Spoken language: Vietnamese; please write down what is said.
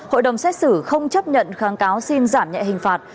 hội đồng xét xử không chấp nhận kháng cáo xin giảm nhẹ hình phạt